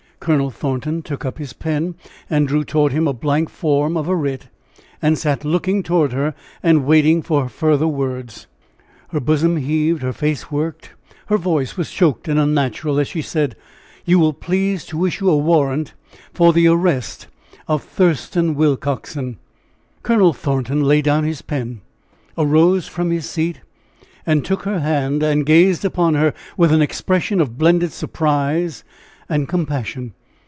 Colonel Thornton took up his pen, and drew toward him a blank form of a writ, and sat looking toward her; and waiting for her further words. Her bosom heaved, her face worked, her voice was choked and unnatural, as she said: "You will please to issue a warrant for the arrest of Thurston Willcoxen." Colonel Thornton laid down his pen, arose from his seat, and took her hand and gazed upon her with an expression of blended surprise and compassion.